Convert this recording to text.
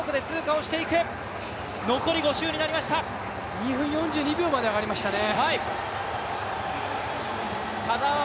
２分４２秒まで上がりましたね。